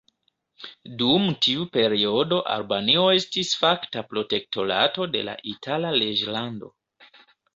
Dum tiu periodo Albanio estis fakta protektorato de la Itala reĝlando.